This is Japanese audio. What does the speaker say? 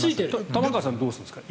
玉川さんはどうするんですか？